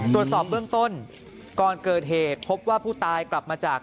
ตรวจสอบเบื้องต้นก่อนเกิดเหตุพบว่าผู้ตายกลับมาจาก